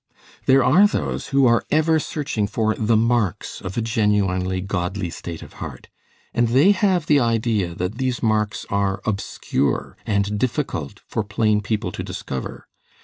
There are those who are ever searching for 'the marks' of a genuinely godly state of heart, and they have the idea that these marks are obscure and difficult for plain people to discover.